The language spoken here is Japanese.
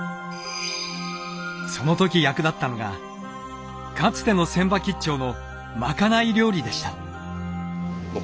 その時役立ったのがかつての船場兆のまかない料理でした。